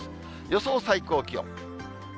予想最高気温。